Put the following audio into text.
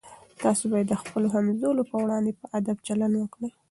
تاسي باید د خپلو همزولو په وړاندې په ادب چلند وکړئ.